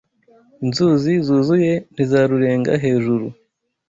inzuzi zuzuye ntizarurenga hejuru.